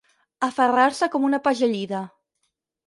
Aferrar-se com una pegellida.